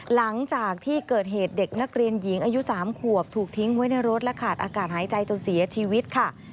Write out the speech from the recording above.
หลังจากที่เกิดเหตุเด็กนักเรียนหญิงอายุ๓ขวบถูกทิ้งไว้ในรถและขาดอากาศหายใจจนเสียชีวิตค่ะ